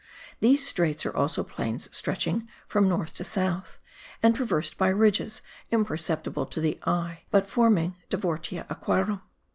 These straits are also plains stretching from north to south, and traversed by ridges imperceptible to the eye but forming divortia aquarum.